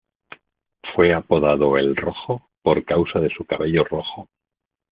Fue apodado "el Rojo" por causa de su cabello rojo.